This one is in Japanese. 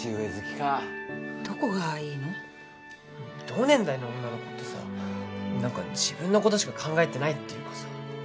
同年代の女の子ってさ何か自分のことしか考えてないっていうかさ。